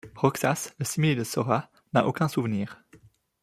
Roxas, le simili de Sora, n'a aucun souvenir.